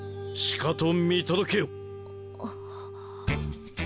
しかと見届けよ。